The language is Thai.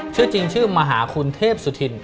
ชื่อจริงชื่อมหาคุณเทพสุธิน